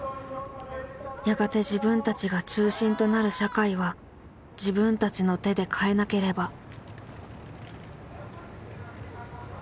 やがて自分たちが中心となる社会は自分たちの手で変えなければ。